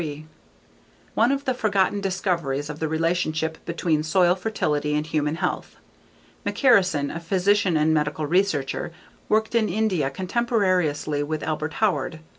One of the forgotten discoverers of the relationship between soil fertility and human health. McCarrison, a physician and medical researcher, worked in India contemporaneously with Albert Howard.